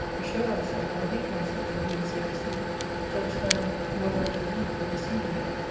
Assure thy self, I hate myself for being so deceived ; judge then what I do thee for deceiving me.